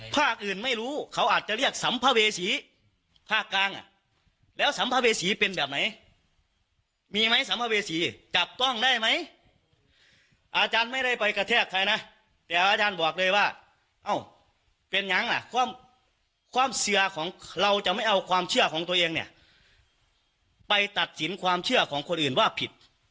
ภาคอื่นไม่รู้เขาอาจจะเรียกสัมภเวษีภาคกลางอ่ะแล้วสัมภเวษีเป็นแบบไหนมีไหมสัมภเวษีจับต้องได้ไหมอาจารย์ไม่ได้ไปกระแทกใครนะแต่อาจารย์บอกเลยว่าเอ้าเป็นยังล่ะความความเสียของเราจะไม่เอาความเชื่อของตัวเองเนี่ยไปตัดสินความเชื่อของคนอื่นว่าผิด